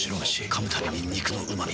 噛むたびに肉のうま味。